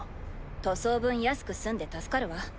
塗装分安く済んで助かるわ。